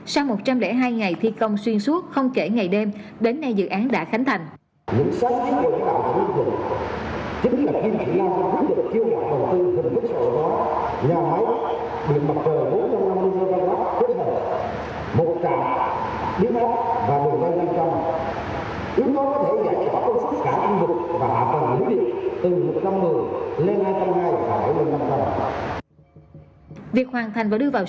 sau một trăm linh hai ngày thi công xuyên suốt không kể ngày đêm đến nay dự án đã khánh thành